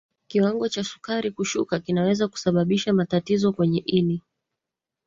kiwango cha sukari kushuka kinaweza kusababisha matatizo kwenye ini